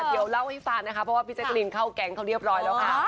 เดี๋ยวเล่าให้ฟังนะคะเพราะว่าพี่แจ๊กรีนเข้าแก๊งเขาเรียบร้อยแล้วค่ะ